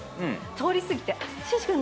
通り過ぎて剛君